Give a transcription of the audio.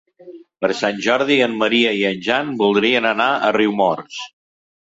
Per Sant Jordi en Maria i en Jan voldrien anar a Riumors.